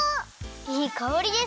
いいかおりです。